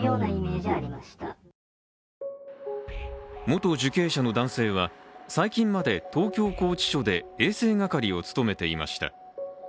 元受刑者の男性は最近まで東京拘置所で衛生係を務めていました。